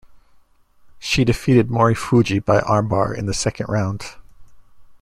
She defeated Morifuji by armbar in the second round.